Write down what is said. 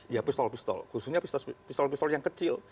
ya pistol pistol khususnya pistol pistol yang kecil